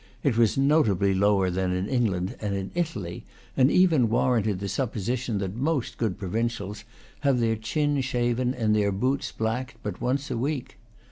It was notably lower than in England and in Italy, and even warranted the supposition that most good provincials have their chin shaven and their boots blacked but once a week.